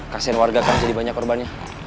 kasian warga kan jadi banyak korbannya